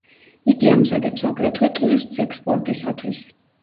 იგი ამზადებს აგრეთვე ტვირთს ექსპორტისათვის.